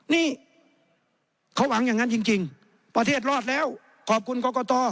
นี่เขาหวังอย่างนั้นจริงประเทศรอดแล้วขอบคุณกรกต